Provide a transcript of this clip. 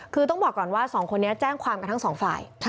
คือต้องบอกก่อนว่าสองคนนี้แจ้งความกันทั้งสองฝ่าย